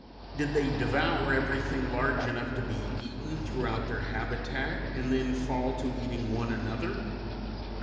Did they devour everything large enough to be eaten throughout their habitat, and then fall to eating one another?